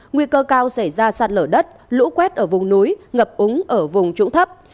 nguy cơ cao sẽ ra sạt nở đất lũ quét ở vùng núi ngập úng ở vùng trũng thấp